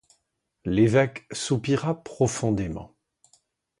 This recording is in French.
L'évêque soupira profondément.